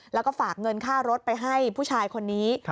แล้วก็ฝากเงินค่ารถไปให้ผู้ชายคนนี้